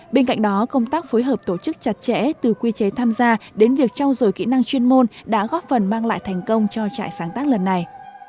bên cạnh đó công tác phối hợp tổ chức chặt chẽ từ quy chế tham gia đến việc trao dồi kỹ năng chuyên môn đã góp phần mang lại thành công cho trại sáng tác lần này